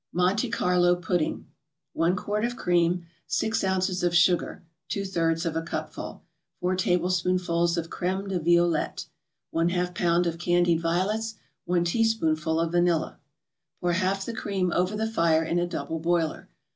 MONTE CARLO PUDDING 1 quart of cream 6 ounces of sugar (2/3 of a cupful) 4 tablespoonfuls of creme de violette 1/2 pound of candied violets 1 teaspoonful of vanilla Put half the cream over the fire in a double boiler.